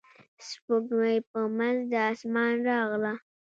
سپوږمۍ په منځ د اسمان راغله.